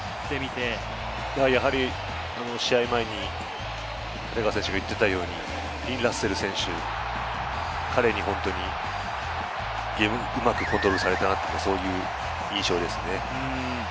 やはり試合前に立川選手が言っていたように、フィン・ラッセル選手、彼に本当にゲームをうまくコントロールされたなっていう印象ですね。